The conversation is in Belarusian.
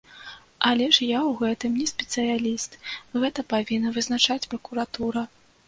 Але ж я ў гэтым не спецыяліст, гэта павінна вызначаць пракуратура.